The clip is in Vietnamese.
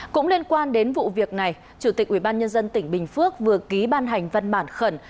cũng liên quan đến vụ việc này chủ tịch ubnd tỉnh bình phước vừa ký ban hành văn bản khẩn